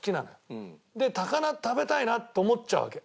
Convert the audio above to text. で高菜食べたいなと思っちゃうわけ朝だと。